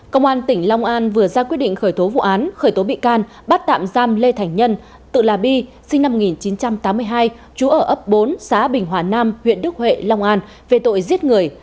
công an tỉnh long an vừa ra quyết định khởi tố vụ án khởi tố bị can bắt tạm giam lê thành nhân tự là bi sinh năm một nghìn chín trăm tám mươi hai trú ở ấp bốn xã bình hòa nam huyện đức huệ long an về tội giết người